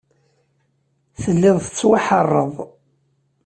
Telliḍ tettwaḥeṛṛeḍ.